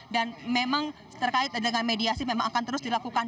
dan memang terkait dengan mediasi memang akan terus dilakukan